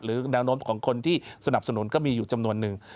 แนวโน้มของคนที่สนับสนุนก็มีอยู่จำนวนนึง